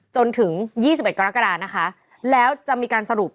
จนถึง๒๑กรกฎานะคะแล้วจะมีการสรุป